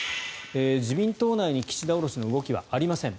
自民党内に岸田降ろしの動きはありません。